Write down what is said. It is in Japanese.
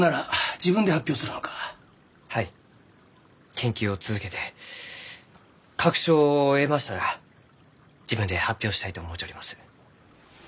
研究を続けて確証を得ましたら自分で発表したいと思うちょります。